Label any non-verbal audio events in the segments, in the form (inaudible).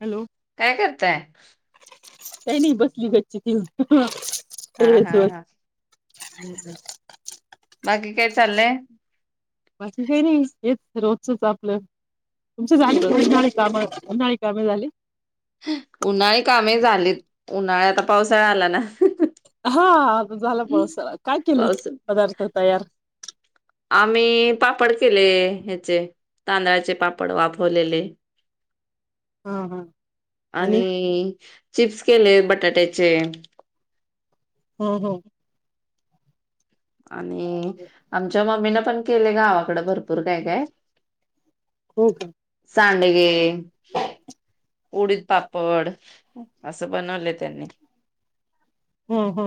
Hello काय करताय का नाही बसली गच्ची ती हा हा हा ह बाकी काय चाललंय मा हे नाही यच रोजचच आपलं तुमच उरत झाली (unintelligible) कामे झाली - उन्हाळी कामे झालीत उन्हाळ्या आता पावसाळा आला ना- हा- झालं बा अस काय केलं पाऊस पदार्थ तयार - आम्ही पापड केले हचे तांदळाचे पापड वाफवलेले - हा हा आणि - चिप्स केले बटाट्याचे - हो हो - आणि आमच्या मम्मीना पण - केले गावाकडे भरपूर काय काय - हो का - सांडगे- उडीद पापड असं बनवले त्यांनी- हो हो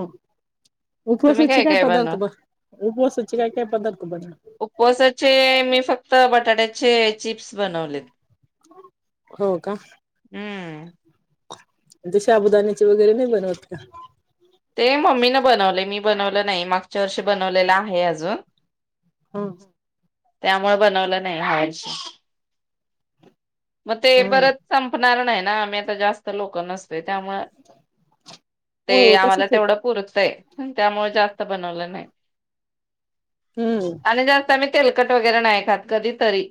- उपवासचे काय पदार्थ ब उपवासची काय काय पदार्थ बनव- उपवासाचे मी फक्त बटाट्याचे चिप्स बनवलेत. हो का- हम्म. म्ह ते शबुदाण्याचे वगैरे नाही बनवत का? ते मम्मीन बनवले मी बनवलं नाही मागच्या वर्षी बनवलेलं आहे अजून. हो हम्म. त्यामुळे बनवलं नाही (unintelligible) मग ते हं परत संपणार नाय- आम्ही आता जास्त लोक नसतो. त्यामु ते हो आम्हाला तसच होत तेवढं पुरतय - त्यामुळे जास्त बनवलं नाय. हम्म आणि जर (unintelligible) तेलकट वगैरे नाही खात कधी तरी-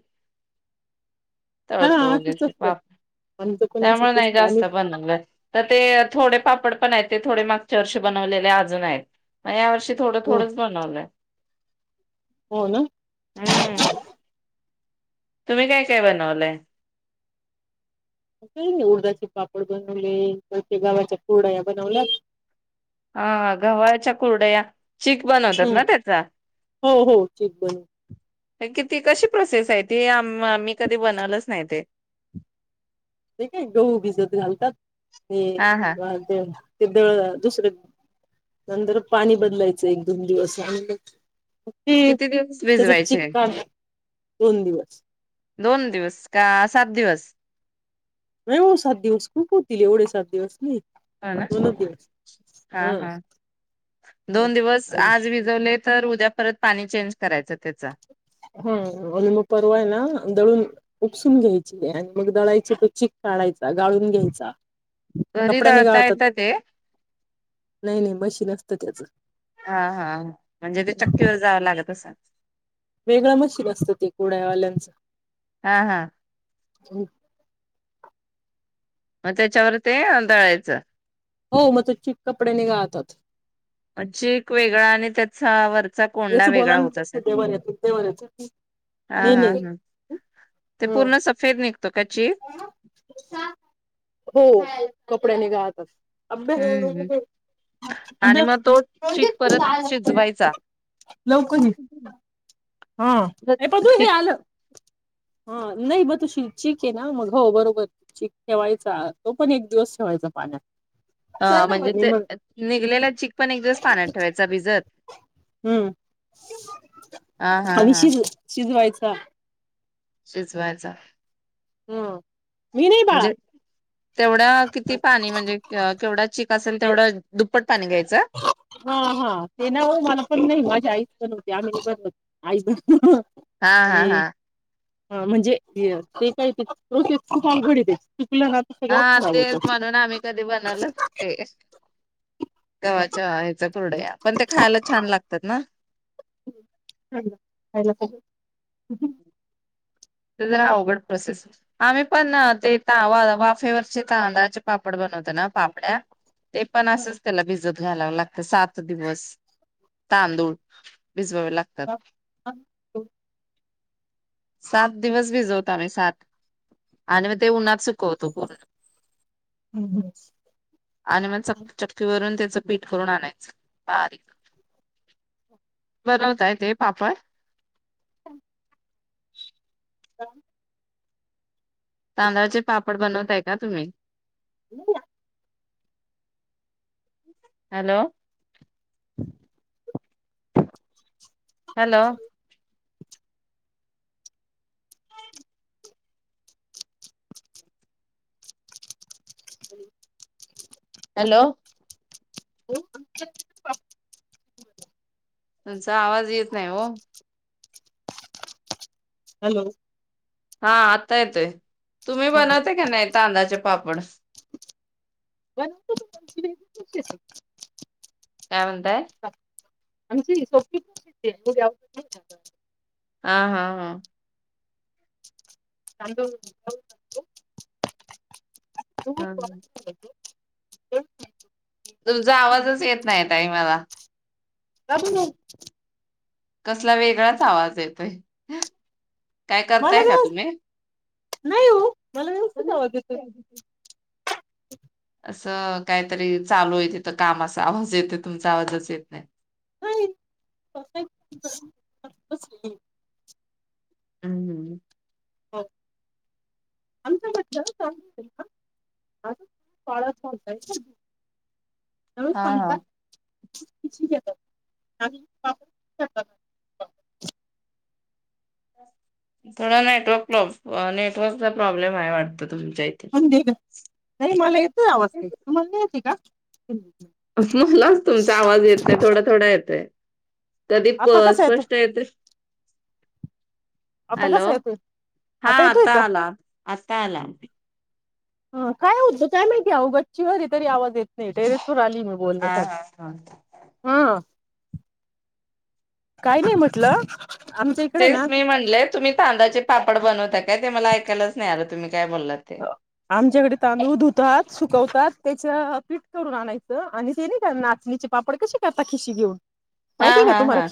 हा तोळतो असंच वगरे असतं पा आमचं पण त्यामुळे असंच नाही असतं जास्त आम्ही बनवलंय त ते थोडे पापड- नाय ते थोडे मागच्या मागच्या वर्षी बनवलेले अजून आहेत म या वर्षी - ते थोड हो थोडंच बनवलंय. हो ना. हम्म तुम्ही काय काय बनवलंय. काही नाही उडदाचे पापड बनवले काही ते गावाच्या कुरड्या बनवल्यात. हा गव्हाच्या कुरडया. चीक बनवतात हम् ना त्याचा हो हो चीक बनव- कितीी कशी प्रोसेस आहे ती आम मी कधी बनवलच नाही ते. ते काय गहू भिजत घालतात. ते हा हा वाजेल. ते दळण दुसरं नंतर पाणी बदलायचं एक दोन दिवसांनी. ती किती दिवस त्याचा चिक भिजवायचे काढ दोन दिवस. दोन दिवस का सात दिवस. नाही ओ सात दिवस खूप होतील एवढे सात दिवस नाही. ह ना दोनच दिवस हा हा दोन दिवस आणि आज भिजविलेत. तर उद्या परत पाणी चेंज. करायचं त्याच हा आणि मग परवा आहे ना दळून. उपसून घ्यायची आणि मग दळायची तो चिक काढायचा गाळून घ्यायचा. घरी कपड्या नि दळता गाळतात येतं ते नाही नाही मशीन असतं. तर त्याच. हा हा म्हणजे ते चक्कीवर जावं लागत असल. वेगळं मशीन असतं ते कुरयाड्यावाल्यांचं. हा हा. हम्म. मग त्याच्यावर ते दळायचं. हो मग तो चिक कपडेनि गाळतात. मग चिक वेगळा आणि त्याचा वर याच बोला ना देवरच देवरचं हा आणि हा नाही ह ते हम. पूर्ण सफेद निघतो का चीक हो कपड्याने. जातसं. अभ्यास हम्म आणि मग तो चीक परत अभ्यास शिजवायचा. लवकर ये. हा तर ये पदू हे चिक आलं. हा नाही ब तु चिक आहे ना मग हो बरोबर चिक ठेवायचा तो पण एक दिवस ठेवायचा पाण्यात. हा म्हणजे आणि ते मग निघलेला चिक पण एक दिवस पाण्यात ठेवायचा भिजत हम्म हा हा हा. स. शिजवायचा. हम्म. विनय बाळा. तेवढ्या किती पाणी म्हणजे केवढा च ते हा हा ते नावर मला पण नाही माझ्या आईस पण होती आम्ही पण होती आय हा हा हा म्हणजे ते काय ते रो खूारघड हा तेच म्हणून आम्ही कधी बनवलं ते गव्हाच्या ह्याचा करडया पण ते खायला छान लागतात ना ला हम्म जरा अवघड प्रोसेस आम्ही पण ते त वाफेवरचे तांदळाचे पापड बनवतो ना पापड्या ते पण असच त्याला भिजत घलाव लागत सात दिवस तांदूळ भिजवावे लागतात सात दिवस भिजवतो आम्ही सात आणि मग ते उन्हात सुकवतो पूर्ण आणि मग च चक्की वून त्या पीठ करून आणायचं बारीक बनवतय ते पापड ह तांदळाचे पापड बनवताय का तुम्ही इ हॅलो हॅलो ह हॅलो हो तुचा आवाज येत नाही हो हॅलो हा आता येतय तुम्ही हा बनवता का नाही तांद्याचे पापड बनवतो पण आमची वेगळी प्रोसेस आहे. कामंत आमची सोपी पण हा हा हा तांदूळ तु ह तुमचा आवाजच येत नाही टयमाला (unintelligible) कसला वेगळाच आवाज येतोय काय मला करताय का व्यव तुम्ही नाही हो मला व्यवस्थितवा ज येतोय (inaudible) असं ' कायतरी चालू हाय तिथं कामाचा आवाज येतोय, तुमचा आवाजच येतं नाय. नाही. अहं.. (unintelligible) नवीन हा हा सांगता? (unintelligible) थोडा नेटवर्क प्रॉब.. अं नेटवर्क चा प्रॉब्लेम हाय वाटत. तुम जय ती. हिंदी नाही मला येत. (unintelligible) (inaudible) मलाच तुमचा आवाज येत नाही, थोडा थोडा येतंय. कधी प आता कसा येतोय स्पष्ट येते. आता हॅलो, कसा येतोय हा येतोय आता का आला. आता आला. अं काय होत? काय माहिती? अहो गच्चीवर हाय तरी आवाज येतं. नाही टेरेसर आली मी हा बोलण्यासाठी. हा हा. हा. काय नाही म्हटलं, आमच्या इकडे तेच ना मी म्हणले तुम्ही तांदळाचे पाप पड बनवता काय? ते मला ऐकालाच नाय आलं तुम्ही... काय बोललात ते. आमच्याकडे तांदूळ धुतात, सुकवतात. त्याच पीठ करून आणायचं आणि ते नैका नाचणीचे पापड कसे करता खिशी घेऊन? हा, माहितीय का हा, तुम्हाला हा,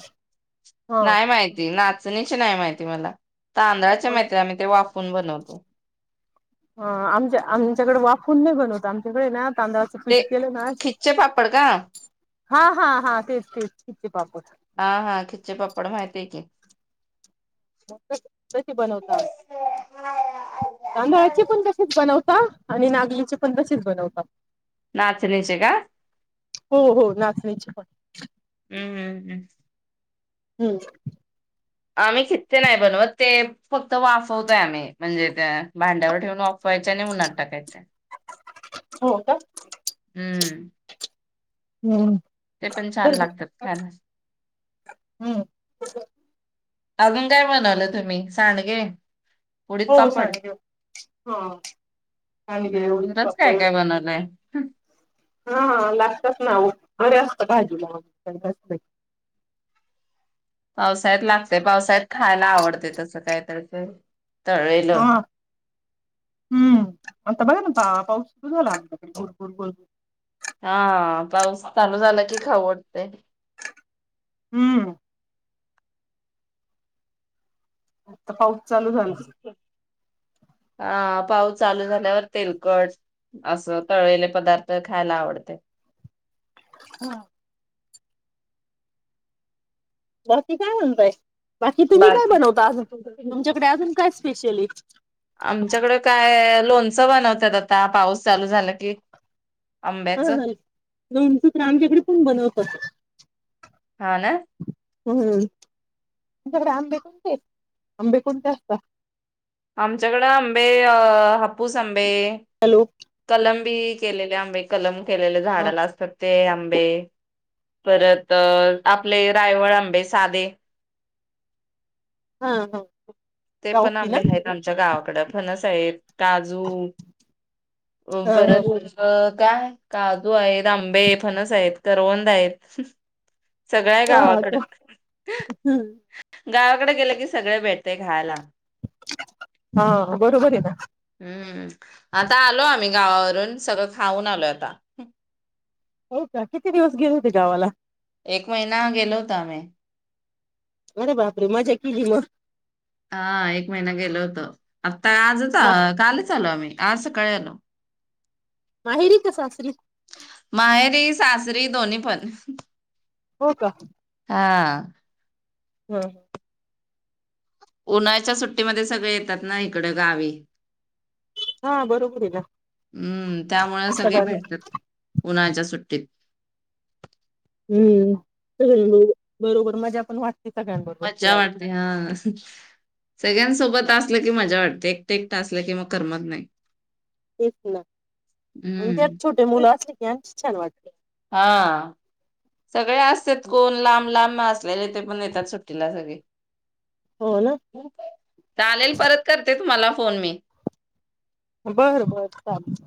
हा नाय माहिती. नाचणीचे नाय माहिती मला. तांदळाचे ह महिती हाय, आम्ही ते वाफ कोन बनवतो? ह आमच्या.. आमच्याकडे वाफवून नाय बनवत, आमच्याकडे हाय ना तांदळाचं ते. पीठ केलं ना खिचे पापड कां? हा, हा, हा, तेच. तेच खिचे. पापड हा, हा, खिचे पापड माहिती हाय कीं. तशे बनवतो आम्ही. तांदळाचे पन तसंच बनव का आणि नागलीचे पन तसेच बनवतात. नाचणीचे का? हो हो नाचणीचे पन. ह ह हम. हम्. आम्ही खित्ते नाय बनवत, ते फक्त वाफवतोय आम्ही म्हणजे ते भांड्यावर ठेऊन वाफ फवायचे आणि उन्हात टाकायचे. हो का हम्. हम्म. ते पण छान लागतात खान्यास. हम्म. अजून काय बनवलं तुम्ही? सांडगे. उडीद हो पापड सांडगे. हा सांडगे, उडीद पापड हम्. हा लागतात ना, बरे असत भाजीला आज उन्हाळ्यात लागतय, पावसाळ्यात खायला आवडत ते तसं कायतर ते तळलेल. हा हम्म आता बघा ना पा पाऊस हा हा. पाऊस चालू झाला की खाऊ वाटतय. हम्म. आता पाऊ आप पाऊस चालू झाल्यावर तेलकट अस तळलेल पदार्थ खाऊ वाटतंय. ह. बाकी, काय म्हणताय? बाकी, तुम्ही काय बनवता आज? तुमच्याकडे अजून काय स्पेशली आमच्याकडे काय! लोणचं बनवतात आता, पाऊस चालू झाला की हं आंब्याचं हं. लोणची तर आमच्या इकडे पण बनवतात. हा ना. हम्म! तुमच्याकडे आंबे कोणते आहेत? आंबे कोणते असतात? आमच्याकडे आंबे हापू हापूस आंबे, हॅलो कलम पिकेलेले आंबे, कलम केलेले हा झाडाला असतात ते आंबे, परत आपले रायवळ आंबे साधे हा हा. ते पण आंबे आहेत आमच्या गावाकड. फणस (unintelligible) काजू, हा परत (unintelligible) काय? काजू आहेत, आंबे, फणस आहेत, करवंद आहेत. सगळ हाय गावाकड. गावाकडे गेल की सगळ भेटतय. खायला. हा, बरोबरे ना. हम्म, आता आलो आम्ही गावावरून सगळं खाऊन आलोय आता. हो, का किती दिवस गेले होते गावाला? एक महिना गेलो होतो आम्ही. अररे बापरे! मजा केली मग? हा एक महिना गेलो होतो. आता आजच कालच आलो आम्ही आज सकाळी आलो. माहेरी का सासरी? माहेरी सासरी दोन्ही पण. हो का? हा. हम्. उन्हाळ्याच्या सुट्टीमध्ये सगळे येतात ना इकड गावी. हा, बरोबर आहे ना हम्म सगळ. उन्हाळ्याच्या सुट्टीत. हम्म, (unintelligible) बरोबर मजा पण वाटते. सगळ्यांबरोबर मज्जा फिरायला वाटते. हा सगळ्यांसोबत असलं की मजा वाटते एकट एकट असलं की मग करमत नाही. तेच ना आणि हम्म. त्यात छोटे मुलं असले की छान वा हा, सगळे असतेत कोण लांब लांब असलेले ते पण येतात सुट्टीला सगळे. हो ना चालेल परत करते तुम्हाला फोन मे. बरं बर चालेल.